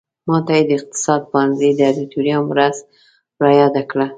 ماته یې د اقتصاد پوهنځي د ادیتوریم ورځ را یاده کړه.